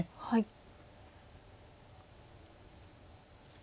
はい。